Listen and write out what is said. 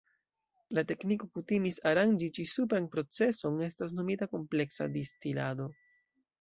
La tekniko kutimis aranĝi ĉi-supran proceson estas nomita kompleksa distilado.